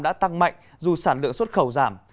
đã tăng mạnh dù sản lượng xuất khẩu giảm